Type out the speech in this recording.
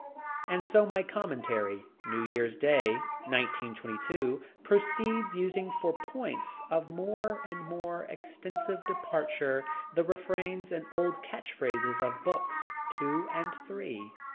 And so my commentary, New Year's Day, 1922, proceeds, using for points of more and more extensive departure the refrains and old catch phrases of books two and three.